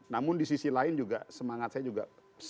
namun di sisi lain juga semangat saya juga